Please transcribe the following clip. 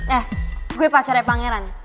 eh gue pacarnya pangeran